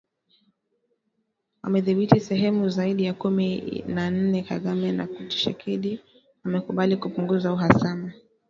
wamedhibithi sehemu zaidi ya kumi na nne Kagame na Tshisekedi wamekubali kupunguza uhasama